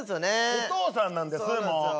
お父さんなんですもう。